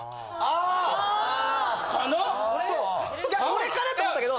これかな？と思ったけど。